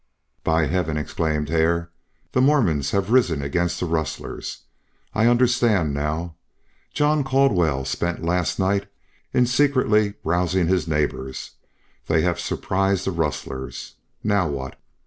"By Heaven!" exclaimed Hare. "The Mormons have risen against the rustlers. I understand now. John Caldwell spent last night in secretly rousing his neighbors. They have surprised the rustlers. Now what?"